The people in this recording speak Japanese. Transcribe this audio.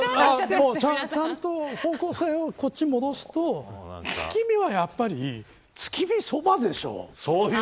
ちゃんと方向性をこっちに戻すと月見には、やっぱり月見そばでしょう。